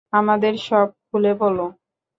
আমাদের সব খুলে বল।